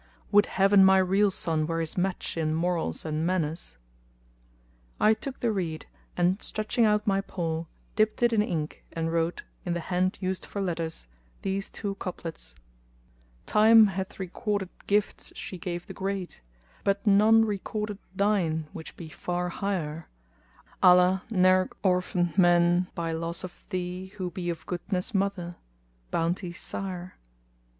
Would Heaven my real son were his match in morals and manners." I took the reed, and stretching out my paw, dipped it in ink and wrote, in the hand used for letters,[FN#229] these two couplets:— Time hath recorded gifts she gave the great; * But none recorded thine which be far higher Allah ne'er orphan men by loss of thee * Who be of Goodness mother. Bounty's sire.